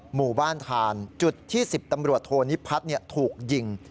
หมู่บ้านทานจุดที่๑๐ตำรวจโทนิพัฒน์ถูกยิง